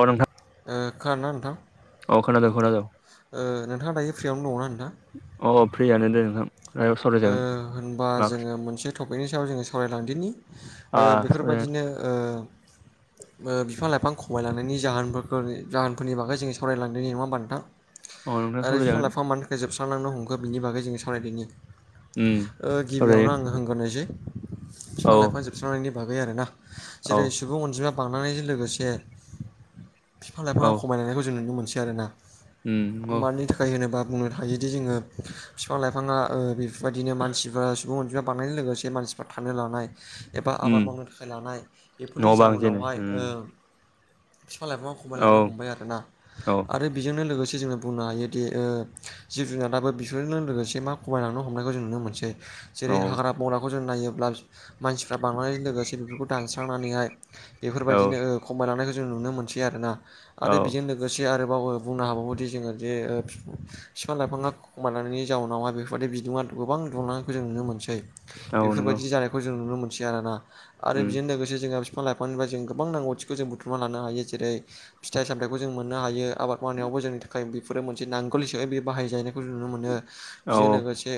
अ नोंथां ओ खोनादोंना नोंथां? अ खोनादों खोनादों ओ नोंथाङा दायो फ्रियावनो दङना नोंथां? अ फ्रियानो दोङो नोंथां। ओ सावरायजागोन होनबा मा जोङो मोनसे टपिकनि सायाव जोङो सावरायलांदोनि आ ओ सावराय बेफोरबायदिनो ओ बिफां लाइफां खमायलांनायनि जाहोनफोर जाहोनफोरनि बागै जों सावरायलांदोनि नङा होमबा नोंथां। अ नोंथां आरो बिफां सावरायजागोन लाइफां मानि थाखाय जोबस्रांनो हमखो बिनि बागै जों सावरायदोंनि। उम गिबियावनो सावरायजायो आङो हग्रोनायसै बिफां औ लाइफां जोबस्रांनायनि बागै आरो ना। औ जेरै सुबुं अनजिमाया बांनायजों लोगोसे बिफां औ लाइफाङा खमायनायखौ जों नुनो मोनसै आरो ना। उम औ मानि थाखाय होनोबा बुंनो थायोदि जोङो बिफां लाइफाङा बेफोरबायदिनो मानसिफ्रा सुबुं अनजिमा बांनाय लोगोसे मानसिफ्रा थानो लानाय एबा आबाद उम मावनो थाखाय लानाय बेफोरनि न' बां जेनो जाउनावहाय ओ उम बिफां लाइफाङा औ खमायलांनो हमबाय आरोना औ आरो बेजोंनो लोगोसे जोङो बुंनो हायोदि जिब जुनाराबो बेफोरजों लोगोसे मा खमायलांनो नो मोनसै जेरै औ हाग्रा मावनायखौ जों नायोब्ला मानसिफ्रा बांनायजों लोगोसे बेफोरखौ दानस्रांनानैहाय औ बेफोरबायदिनो खमायलांनायखौ जों नुनो मोनसै औ आरो बेजों लोगोसे आरोबाव बुंनो हाबावोदि जोङो जे बिफां लाइफाङा खमायलांनायनि जाउनावहाय बेफोरबायदि बिदुं आ गोबां दुंलांनायखौ जों नुनो मोनसै औ नंगौ बेफोरबायदि जानायखौ जों नुनो मोनसै आरोना। आरो उम बेजों लोगोसे जोंहा बिफां लाइफांनिफ्राय जों गोबां नांगौथिखौ जों बुथुमना लानो हायो जेरै फिथाइ सामथायाइखौ जों मोननो हायो आबाद मावनायावबो जोंनि थाखाय बेफोरो मोनसे नांगोल हिसाबै बे बाहायजायनायखौ जों नुनो मोनो। औ बेजों औ लोगोसे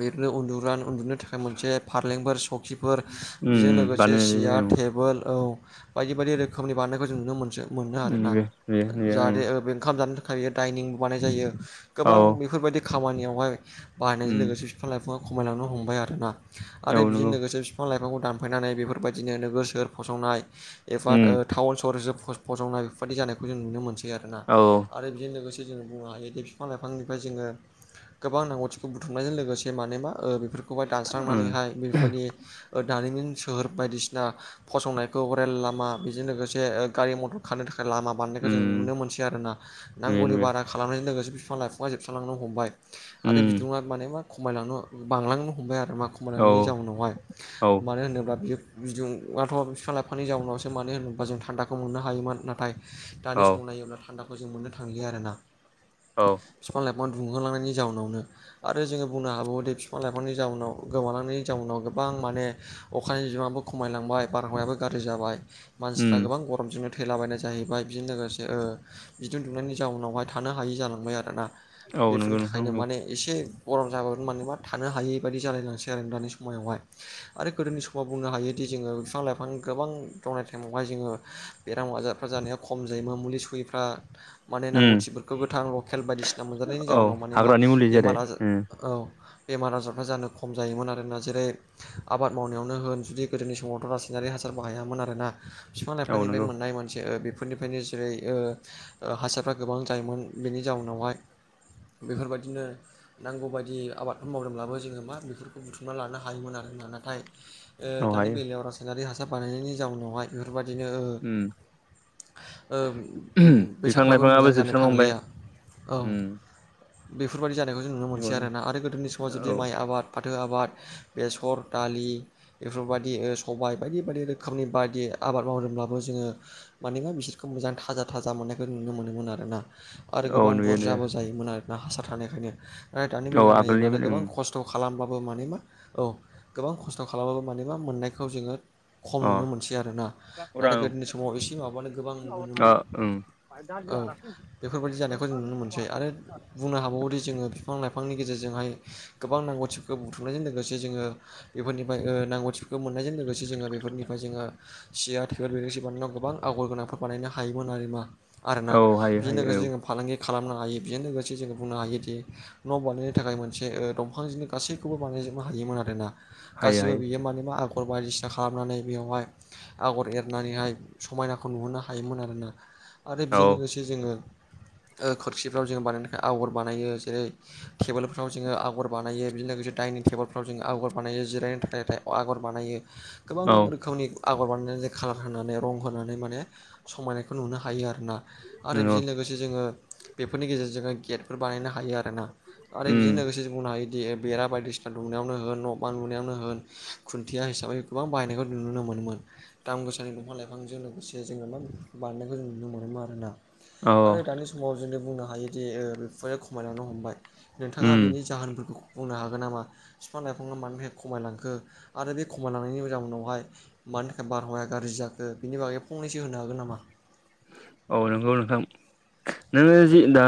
बिनो उन्दुनो थाखाय मोनसे फारलेंफोर सकिफोर उम बेजों उम लोगोसे बानायनाय सियार जायो औ टेबोल औ बायदि बायदि रोखोमनि बानायनायखौ जों नुनो मोनो मोनो आरो उम ना बे बे बे जाहाथे औ बे ओंखाम जानो थाखाय दायो दाइनिंबो बानाय जायो औ गोबां बेफोरबायदि खामानियावहाय बाहायनायजों उम लोगोसे बिफां लाइफाङा खमायलांनो हमबाय आरोना औ आरो बेजों नंगौ लोगोसे बिफां लाइफांखौ दानफायनानै बेफोरबायदिनो नोगोर सोहोर फसंनाय एफार उम टाउन सहरजों फसंनाय बेफोरबायदि जानायखौ जों नुनो मोनसै आरोना औ आरो बेजों लोगोसे जोङो बुंनो हायो दे बिफां लाइफांनिफ्राय जोङो गोबां नांगौथिखौ बुथुमनायजों लोगोसे माने मा ओ बेफोरखौहाय उम दानस्रांनानैहाय बेफोरबायदि ओ दारिमिन सोहोर बायदिसिना फसंनायखौ रेल लामा बेजों लोगोसे ओ गारि मटर खारनो थाखाय लामा बानायनायखौ उम जों नुनो मोनसै आरोना बेनो नांगौनि बे बारा खालामनायजों लोगोसे बिफां लाइफाङा जोबस्रांलांनो हमबाय आरो उम बिदुङा माने मा खमायलांनो बांलांनो हमबाय आरो मा औ मोनानि जाउनावहाय औ मानो होनोब्ला बियो बिदुंआथ बिफां लाइफांनि जाउनावसो मानो होनबा जों थान्दाखौ मोननो हायोमोन नाथाय दानि औ समाव नायोब्ला थान्दाखौ जों मोननो थांलिया आरोना औ बिफां लाइफां दुंहोलांनायनि जाउनावनो आरो जोङो बुंनो हाबावोदि बिफां लाइफांनि जाउनाव गोमालांनायनि जाउनाव गोबां माने अखानि बिबाङाबो खमायलांबाय बारहावायाबो गाज्रि जाबाय मानसिफ्रा उम गोबां गरमजों थैलाबायनाय जाहैबाय बिजों लोगोसे ओ बिदुं दुंनायनि जाउनावहाय थानो हायि जालांबाय आरोना औ बेफोरनि नंगौ नोंथां थाखायनो नंगौ माने एसे गरम जाबोगोन मानोबा थानो हायै बादि जालायलांसै आरो दानि समायावहाय आरो गोदोनि समाव बुंनो हायोदि जोङो लाइफां गोबां दंनाय टाइमावहाय जोङो बेराम आजारफ्रा जानाया खम जायोमोन मुलि सुलिफ्रा माने उम नांगौथिफोरखौ गोथां लकेल बायदिसिना मोनजानायनि औ जाउनाव माने मा हाग्रानि मुलि जेरै बेमार आजार उम औ बेमार आजारफ्रा जानो खम जायोमोन आरो ना जेरै आबाद मावनायावनो होन जुदि गोदोनि समावथ रासायनारि हासार बाहायामोन आरोना बिफां औ लाइफांनिफ्राय नंगौ मोननाय मोनसे ओ बेफो फोरनिफ्रायनो जेरै ओ ओ हासारफ्रा गोबां जायोमोन बेनि जाउनावहाय बेफोरबायदिनो नांगौबायदि आबादफोर मावदोंब्लाबो जोङो मा बेफोरखौ बुथुमना लानो हायोमोन आरोना नाथाय ओ औ दानि हायो बेलायाव रासायनारि हासार बानायनायनि जाउनावहाय बेफोरबायदिनो ओ उम ओ बिफां बेसादफ्राबो लाइफाङाबो मोजां जानो जोबस्रांनो हमबाय थांलिया औ उम बेफोरबायदि जानायखौ जों नुनो नंगौ मोनसै नंगौ आरोना आरो गोदोनि समाव जुदि औ माइ आबाद फाथो आबाद बेसर दालि बेफोरबायदि ओ सबाय बायदि बायदि रोखोमनि बायदि आबाद मावदोंब्लाबो जोङो माने मा बिसोरखौ मोजां थाजा-थाजा मोननायखौ नुनो मोनोमोन आरोना आरो औ गोबां नुयो नुयो बुरजाबो जायोमोन आरोना हासार थानायखायनो नाथाय दानि औ बेलायाव आगोलनि नायोब्लानो बेले उम गोबां खस्थ थ खालामबाबो माने मा औ गोबां खस्थ खालामबाबो माने मा मोननायखौ जोङो खम अ नुनो मोनसै आरो ना उरां नाथाय गोदोनि समाव एसे माबानो गोबां अ नुनोमोनोमोन उम औ बेफोरबायदि जानायखौ जों नुनो मोनसै आरो बुंनो हाबावोदि जोङो बिफां लाइफांनि गेजेरजोंहाय गोबां नांगौथिफोरखौ बुथुमनायजों लोगोसे जोङो बेफोरनिफ्राय ओ नांगौथिफोरखौ मोननायजों लोगोसे जोङो बेफोरनिफ्राय जोङो [unintelligible] बानायनायाव गोबां आगर [unintelligible] आरोना औ हायो बेजों हायो लोगोसे औ जोङो फालांगि खालामनो हायो बेजों लोगो से जोङो बुंनो हायोदि न बानायनो थाखाय मोनसे दंफांजोंनो गासैखौबो बानायजोबनो हायोमोन आरोना हायो गासिबो हायो बियो माने मा आगर बायदिसिना खालामनानै बेवहाय आगर एरनानैहाय समायनाखौ नुहरनो हायोमोन आरोना आरो औ बिजों लोगोसे जोङो ओ खोरखिफ्राव जोङो बानायनो थाखाय आगर बानायो जेरै टेबोलफ्राव जोङो आगर बानायो बेजों लोगोसे दाइनिं टेबोलफ्राव जोङो आगर बानायो जिरायनो थाखायथाय आगर बानायो गोबां औ रोखोमनि आगर बानायनानै जे खाालार होनानै रं होनानै माने समायनायखौ नुनो हायो आरोना आरो नंगौ बेजों लोगोसे जोङो बेफोरनि गेजेरजों गेटफोर बानायनो हायो आरो ना आरो बेजों उम लोगोसे बुंनो हायोदि बेरा बायदिसिना दुमनायावनो होन न' बां लुनायावनो होन खुन्थिया हिसाबै गोबां बायहायनायखौ नुनो मोनोमोन। दाम गोसानि दंफां लाइफांजों लोगोसे जोङो मा बानायनायखौ जों नुनो मोनोमोन आरोना? औ औ आरो दानि समाव जों बुंनो हायोदि ओ बिफांआ खमायलांनो हमबाय। नोंथाङा उम बेनि जाहोनफोरखौ बुंनो हागोन नामा फिफां लाइफांया मानि थाखाय खमायलांखो आरो बे खमायलांनायनि जाउनावहाय मानि थाखाय बारहावाया गाज्रि जाखो बिनि बागै फंनैसो होनो हागोन नामा? औ नंगौ नोंथां। नोङो जि दा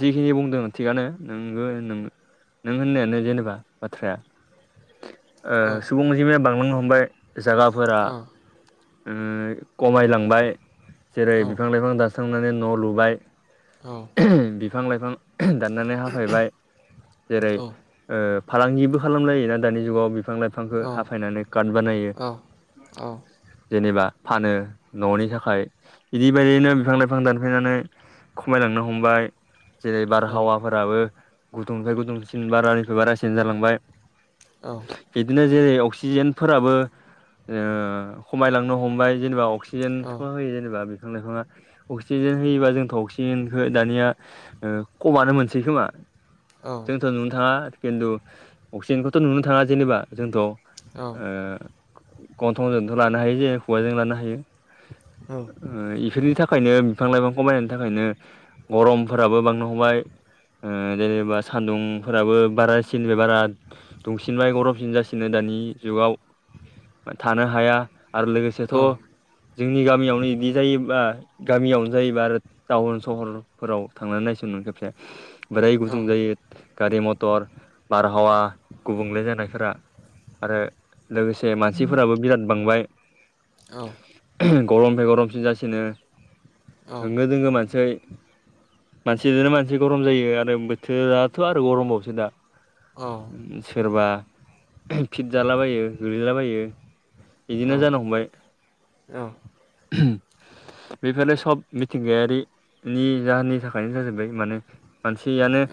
जिखिनि बुंदों थिगानो नोंगो नों नों होननायानो जेनेबा बाथ्राया [unintelligible] ओ सुबुं अनजिमाया बांलांनो हमबाय जागाफोरा औ ओ खमायलां बाय जेरै औ बिफां लाइफां दास्रांनानै न' लुबाय। औ। बिफां लाइफां दाननानै हाफायबाय जेरै औ ओ फालांगिबो खालामलायो ना दानि जुगाव बिफां लाइफांखौ हाफायनानै काट बानायो। औ औ जेनेबा फानो न'नि थाखाय। इदि बायदियैनो बिफां लाइफां दानफैनानै खमायलांनो हमबाय जेरै औ बारहावा फोराबो गुदुंनिफ्राय गुदुंसिन बारानिफ्राय बारासिन जालांबाय। औ। बदिनो जेरै अक्सिजेनफोराबो ओ खमायलांनो हमबाय जेनेबा अक्सि औ जेनथ' औ औ होयो जेनेबा बिफां लाइफाङा अक्सिजेन होयोबा जोंथ' अक्सिजेनखौ दानिया ओ खमानो मोनसै खोमा जोंथ' नुनो थाङा खिन्थु अक्सिजेनखौथ' नुनो थाङा जोंथ' ओ गन्थंजोंथ' लानो हायो जोङो खुगाजों लानो हायो। औ। ओ इफोरनि थाखायनो बिफां लाइफां खमायनायनि थाखायनो गरमफोराबो बांनो हमबाय ओ जेनेबा सान्दुंफोराबो बारा सिननिफ्राय बारा दुंफिनबाय गरमसिन जासिन नो दानि जुगाव थानो हाया आरो लोगोसेथ' जोंनि गामियावनो इदि जायोबा गामियावनो जायोबा आरो टाउन सहरफोराव थांनानै नायसुन नों खेबसे। बोराय गुदुं जायो गारि मथर बारहावा गुबुंले जानायफोरा। आरो लोगोसे मानसिफोराबो बिराद बांबाय। औ। गरमनिफ्राय गरमसिन जासिनो होंगो दोंगो मानसि। मानसि जोंनो मानसि गरम जायो आरो बोथोराथ' आरो गरमबावोसो दा। औ। सोरबा फिट जालाबायो गोलैलाबायो। बिदिनो जानो हमबाय। बेफोरनो सब मिथिंगायारिनि जाहोननि थाखायनो जाजोबबाय माने मानसियानो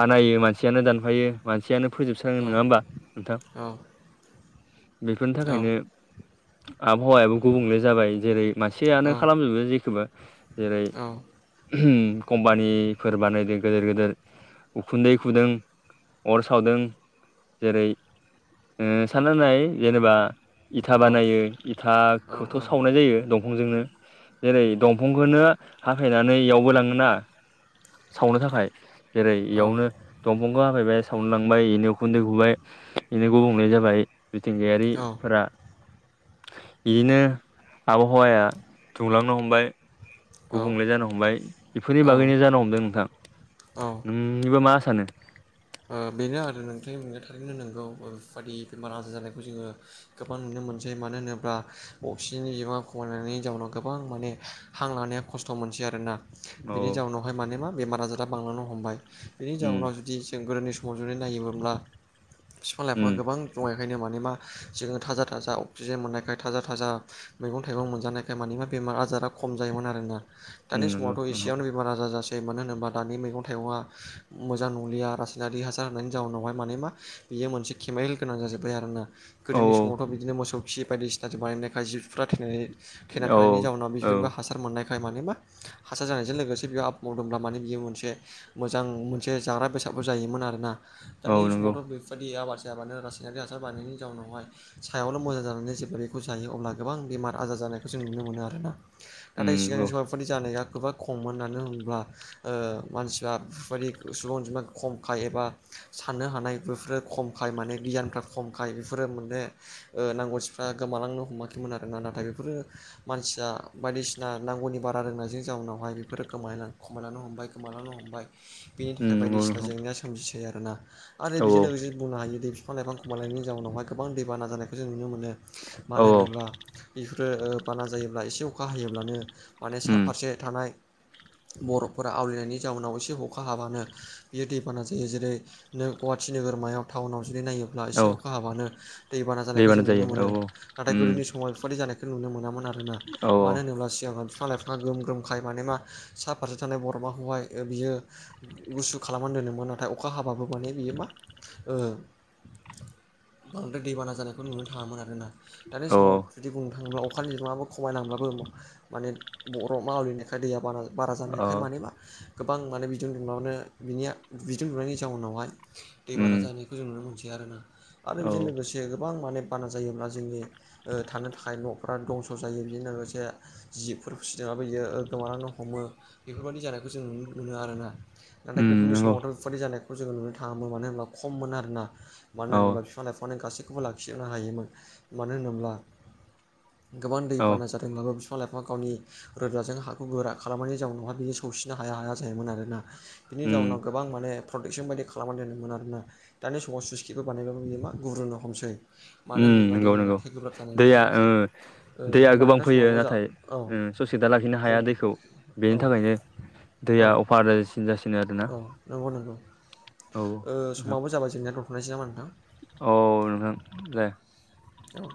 बानायो मानसियानो दानफायो मानसियानो फोजोबस्राङो नङा होमबा नोंथां? बेफोरनि थाखायनो आबहावायाबो गुबुंले जाबाय जेरै मानसि जेयानो खालामजुबबाय जेखोबो जेरै कम्पानिफोर बानायदो गोदोर गोदोर उखुन्दै खुदों अर सावदों जेरै ओ सानना नाय जेनेबा इथा औ बानायो औ इथाखौथ' सावनाय जायो फंजोंनो जेरै दंफंखौनो हाफायनानै इयावबो लाङोना सावनो थाखाय जेरै इयावनो दंफंखो हाफायबाय सावनो लांबाय इनो उखुन्दै गुबाय इनो गुबुंले जाबाय मिथिंगायारि औ फोरा इदिनो हवाया दुंलांनो हमबाय गुबुंले जानो हमबाय बेफोरनि औ बागैनो जानो हमदों नोंथां नोंनिबा मा सानो? ओ बेनो आरो नोंथां थारैनो नोंगौ ओरैबादि बेमार आजार जानायखौ जोङो गोबां नुनो मोनसै मानो होनोबा अक्सिजेननि बिबाङा खमायनायनि जाउनाव गोबां माने हां लानाया खस्थ' मोनसै आरोना औ बिनि जाउनावहाय माने मा बेमार आजारा बांलांनो हमबाय बिनि उम जाउनाव जुदि जों गोदोनि समाव जुदि नायोमोनब्ला बिफां उम लाइफाङा गोबां जमाय नायनो माने मा जोङो थाजा थाजा अक्सिजेन मोननायखाय थाजा थाजा मैगं थाइगं मोनजानायखाय मानि मा बेमार आजारा खम जायोमोन आरोना उम दानि नंगौ समावथ' नोंथां एसेयावनो बेमार आजार जासै मानो होनोबा दानि मैगं थाइगङा मोजां नंलिया रासायनारि हासार होनायनि जाउनावहाय माने मा बियो मोनसे केमेल गोनां जाजोब्बाय आरोना औ गोदोनि समावथ' बिदिनो मोसौ खि बायदिसिनाजों बानायनायखाय जिबफ्रा थैनानै थैना औ थानायनि जाउनाव बिफोर औ माखासे सार मोननायखाय माने मा हासार जानायजों लोगोसे बेयाव आबाद मावदोंब्ला माने बियो मोनसे मोजां मोनसे जाग्रा बेसादबो जायोमोन आरोना दानि औ नंगौ समावथ' बेफो बादि आबाद जायामानो रासायनारि हासार बानायनायनि जाउनावहाय सायावल' मोजां जानानै जेब्ला बेखौ जायो अब्ला गोबां बेमार आजार जानायखौ जों नुनो मोनो आरोना नाथाय उम औ सिगांनि [unintelligible] फोरबायदि जानाया गोबा खममोन मानो होनोब्ला ओ मानसिया बेफोरबायदि सुबुं अनजिमा खमखाय एबा साननो हानाय बेफोरो खमखाय माने गियानफ्रा खमखाय बेफोरो मोने ओ नांगौसिफ्रा गोमालांनो हमाखैमोन आरोना नाथाय बेफोरो मानसिया बायदिसिना नांगौनि बारा रोंनायजों जाउनावहाय बेफोरो गोमालायलां खमायलांनो हमबाय गोमालांनो हमबाय बिनि उम थाखाय नंगौ बायदिसिना नोंथां जेंनाया सोमजिसै आरोना आरो औ औ बिजोंनो बिजों बुंनो हायो दि बिफां लाइफां खमायलांनायनि जाउनावहाय गोबां दैबाना जानायखौ जों नुनो मोनो औ मानो होनोब्ला बेफोरो ओ बाना जायोब्ला एसे अखा हायोब्लानो माने सा उम फारसे थानाय बर'फोरा आवलिनायनि जाउनाव एसे अखा हाबानो बियो दैबाना जायो जेरै नो गुवाहाटि नोगोरमायाव थाउनाव जुदि नायो ब्ला औ एसे अखा हाबानो दैबाना जानायखौ जों नुनो जायो मोनो औ नाथाय उम गोदोनि समाव बेफोरबादि जानाय खौ नुनो मोनामोन आरोना औ मानो होनोब्ला सिगां बिफां लाइफां मा ग्रोम ग्रोमखाय माने मा साफारसे थानाय बर'माखौहाय बियो गुसु खालामनानै दोदोंमोन नाथाय अखा हाबाबो माने बियो मा ओ बांद्राय दैबाना जानायखौ नुनो थाङामोन आरोना दानि औ समाव जुदि बुंनो थाङोब्ला अखानि बिबाङाबो खमायलांब्लाबो माने बर' मावलिनाय दा दैआ बारा बारा अ जानायखाय माने मा गोबां माने बिदुं दुंब्लावनो बिनिया बिदुं दुंनायनि जाउनावहाय उम दैबाना जानायखौ जों नुनो मोनसै आरोना आरो बेजों औ लोगोसे जे गोबां माने बाना जायोब्ला जोंनि ओ थानो थाखाय न'फ्रा दंस' जायो बेजों लोगोसे जिफोर फिदोंबो बियो गोमानानानैनो हमो बेफोरबायाददि जानायखौ जों नुनो मोनो आरोना नाथाय उम गोदोनि नंगौ समावथ' बेफोरबादि जानायखौ जोङो नुनो थाङामोन मानो होनोबा खममोन आरोना मानो औ होनोबा बिफां-लांयफांनि गासैखौबो लाखिजुबनो हायोमोन मानो होनोब्ला गोबां औ दैबानाजों होमब्लाबो बिफां लाइफांआ गावनि रोदाजों हाखौ गोरा खालामनानै जउनावहा बियो सौसिनो हाया हाया जायोमोन आरोना बिनि जाउनाव उम गोबां माने प्रटेकसन बायदि खालामनानै दोनोम मोन आरोना दानि समाव सुइसखिबो बानायबाबो बियो मा गुब्रुननो हमसै मानो उम होनोब्ला दै नंगौ नंगौ लोंनायथाया गोब्राब जानायनि दैया ओ थाखाय ओ दैया होमबा गोबां नोंथां फैयो समाबो जा नाथाय औ ससकेदा लाखिनो हम हाया दैखौ औ बेनि थाखायनो औ दैया अफार जासिनो आरो औ नंगौ नंगौ नोंथां समाबो जाबा जेंना दोनथ'नोसै नामा नोंथां औ नोंथां दे औ